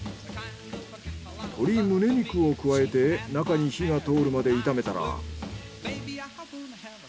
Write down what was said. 鶏ムネ肉を加えて中に火が通るまで炒めたら。